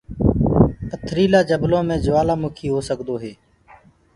پٿريٚلآ جنلو مي جوآلآ مُڪي هوڪسدو هي۔